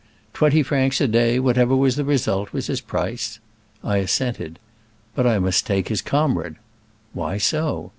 Twenty francs a day, whatever was the result, was his price. I assented. But I must take his comrade. "Why so?"